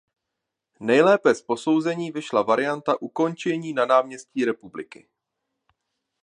Nejlépe z posouzení vyšla varianta ukončení na náměstí Republiky.